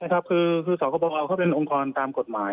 ใช่ครับคือสคบเขาเป็นองคลตามกฎหมาย